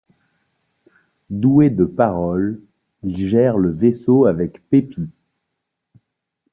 Doué de parole, il gère le vaisseau avec Peppy.